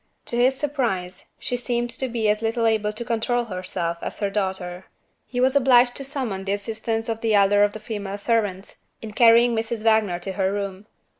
To his surprise, she seemed to be as little able to control herself as her daughter. He was obliged to summon the assistance of the elder of the female servants, in carrying Mrs. Wagner to her room.